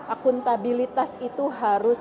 akuntabilitas itu harus